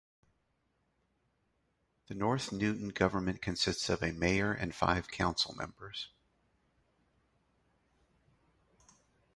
The North Newton government consists of a mayor and five council members.